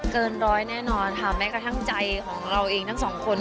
เกินร้อยแน่นอนค่ะแม้กระทั่งใจของเราเองทั้งสองคน